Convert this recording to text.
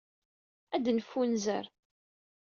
Ad neffunzer.